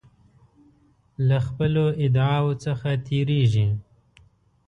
له خپلو ادعاوو څخه تیریږي.